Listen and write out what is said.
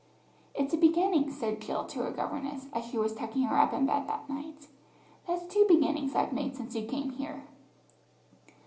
"It's a beginning," said Jill to her governess as she was tucking her up in bed that night. "That's two beginnings I've made since you came here."